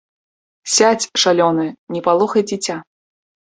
Сядзь, шалёная, не палохай дзіця!